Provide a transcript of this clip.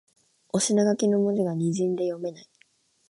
お品書きの文字がにじんで読めない